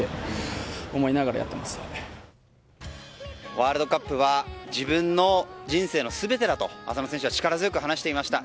ワールドカップは自分の人生の全てだと浅野選手は力強く話していました。